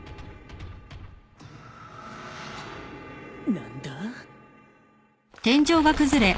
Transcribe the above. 何だ？